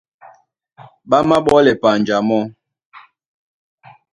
Ɓá máɓɔ́lɛ panja mɔ́.